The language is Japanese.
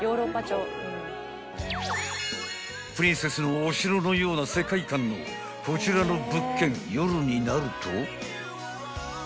［プリンセスのお城のような世界観のこちらの物件夜になると］